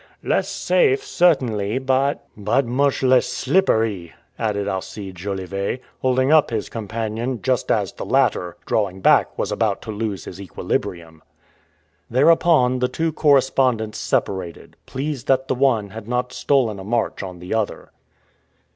"Less safe, certainly, but " "But much less slippery," added Alcide Jolivet, holding up his companion, just as the latter, drawing back, was about to lose his equilibrium. Thereupon the two correspondents separated, pleased that the one had not stolen a march on the other.